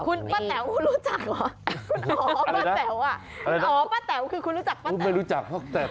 คุณป้าแต๋วคุณรู้จักเหรออ๋อป้าแต๋วคือคุณรู้จักป้าแต๋ว